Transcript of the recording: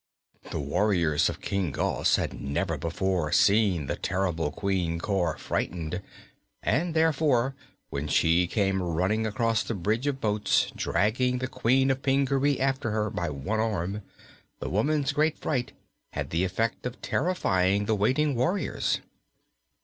The warriors of King Gos had never before seen the terrible Queen Cor frightened, and therefore when she came running across the bridge of boats, dragging the Queen of Pingaree after her by one arm, the woman's great fright had the effect of terrifying the waiting warriors.